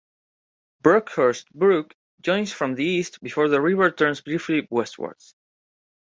Brockhurst Brook joins from the east before the river turns briefly westwards.